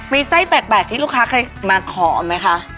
มีไส้แปลกที่ลูกค้าเคยมาขอไหมคะ